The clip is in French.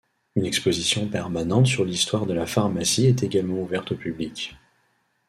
Une exposition permanente sur l'histoire de la pharmacie est également ouverte au public.